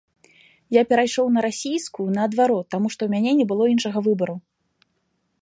Я перайшоў на расійскую, наадварот, таму, што ў мяне не было іншага выбару.